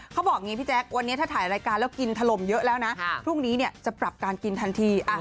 เขาบอกอย่างนี้พี่แจ๊ควันนี้ถ้าถ่ายรายการแล้วกินถล่มเยอะแล้วนะพรุ่งนี้จะปรับการกินทันที